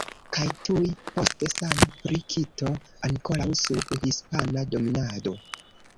Kaj tuj poste same pri Kito, ankoraŭ sub hispana dominado.